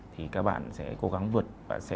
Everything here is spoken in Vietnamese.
thì các bạn sẽ cố gắng vượt